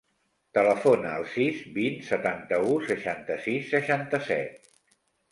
Telefona al sis, vint, setanta-u, seixanta-sis, seixanta-set.